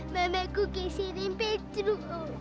mamaku keserin petru